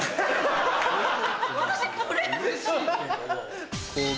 私これ？